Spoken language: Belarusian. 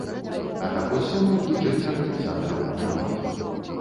А такой сумы ў бюджэце арганізатараў няма.